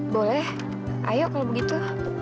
boleh ayo kalau begitu